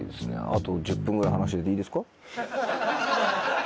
あと１０分ぐらい話してていいですか？